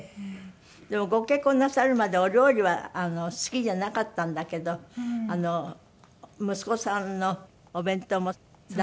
でもご結婚なさるまではお料理は好きじゃなかったんだけど息子さんのお弁当もだんだん。